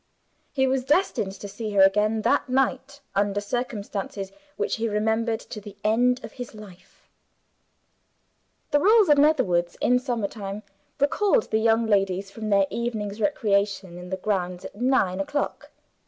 He was destined to see her again, that night under circumstances which he remembered to the end of his life. The rules of Netherwoods, in summer time, recalled the young ladies from their evening's recreation in the grounds at nine o'clock.